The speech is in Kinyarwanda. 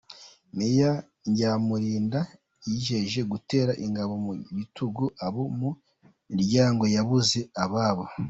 Meya Nyamulinda yijeje gutera ingabo mu bitugu abo mu miryango yabuze ababo.